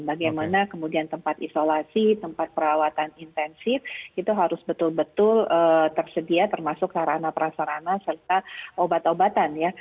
bagaimana kemudian tempat isolasi tempat perawatan intensif itu harus betul betul tersedia termasuk sarana prasarana serta obat obatan ya